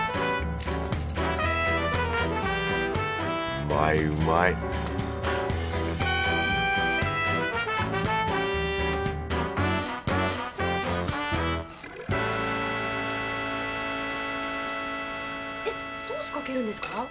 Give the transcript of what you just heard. うまいうまいえっソースかけるんですか？